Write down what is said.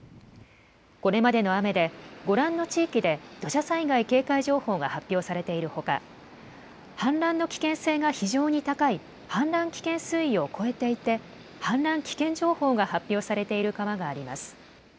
これまでの雨で、ご覧の地域で土砂災害警戒情報が発表されているほか、氾濫の危険性が非常に高い、氾濫危険水位を超えていて、氾濫危険情報が発表されている川があります。